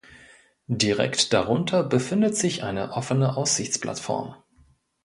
Direkt darunter befindet sich eine offene Aussichtsplattform.